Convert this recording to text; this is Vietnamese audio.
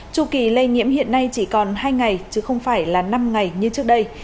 tru kỳ lây nhiễm hiện nay chỉ còn hai ngày chứ không phải là năm ngày như trước đây